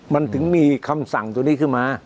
มันถึงมีคำสั่งตัวนี้ขึ้นมา